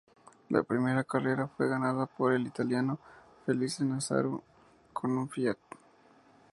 La primera carrera fue ganada por el italiano Felice Nazzaro con un Fiat.